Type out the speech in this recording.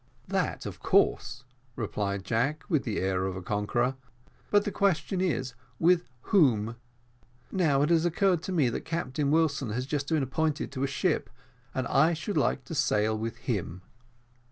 "That, of course," replied Jack, with the air of a conqueror, "but the question is, with whom? Now it has occurred to me that Captain Wilson has just been appointed to a ship, and I should like to sail with him."